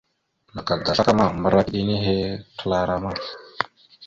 Naka da slakama, mbəra iɗe nehe kəla rama.